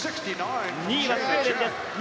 ２位はスウェーデンです。